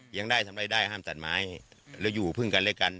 เลี้ยงได้ทำได้ได้ห้ามตัดไม้แล้วอยู่พึ่งกันเลยกัน